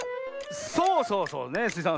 そうそうそうねスイさん